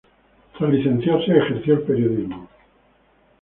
Tras licenciarse, ejerció el periodismo.